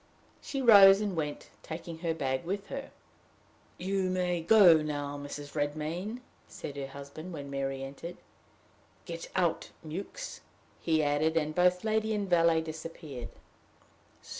She rose and went, taking her bag with her. "You may go now, Mrs. Redmain," said her husband when Mary entered. "Get out, Mewks," he added; and both lady and valet disappeared.